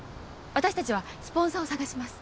私達はスポンサーを探します